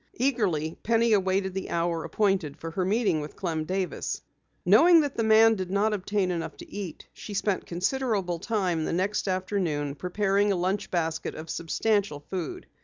Eagerly Penny awaited the hour appointed for her meeting with Clem Davis. Knowing that the man did not obtain enough to eat, she spent considerable time the next afternoon preparing a lunch basket of substantial food.